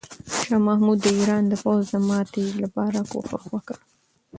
شاه محمود د ایران د پوځ د ماتې لپاره کوښښ وکړ.